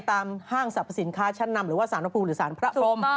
ตามห้างสรรพสินค้าชั้นนำหรือว่าสารโภคหรือสารพระคม